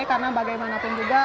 karena bagaimanapun juga